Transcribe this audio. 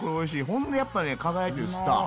ほんとやっぱね輝いてるスター。